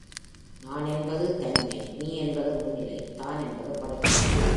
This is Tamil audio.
நான் என்பது தன்மை நீ என்பது முன்னிலை தான் என்பது படர்க்கை.